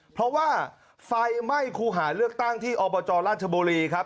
เพราะว่าไฟไหม้คู่หาเลือกตั้งที่อบจราชบุรีครับ